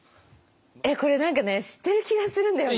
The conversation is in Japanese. えっこれ何かね知ってる気がするんだよな。